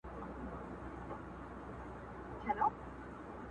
ستا شور به مي څنګه د صنم له کوڅې وباسي!!